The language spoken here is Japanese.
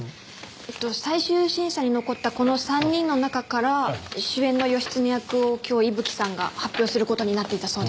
えっと最終審査に残ったこの３人の中から主演の義経役を今日伊吹さんが発表する事になっていたそうです。